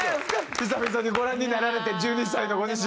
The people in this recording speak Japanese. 久々にご覧になられて１２歳のご自身。